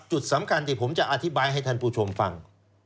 จุดสำคัญที่ผมจะอธิบายให้ท่านผู้ชมฟัง